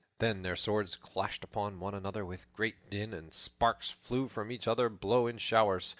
Then their swords clashed upon one another with great din, and sparks flew from each blow in showers.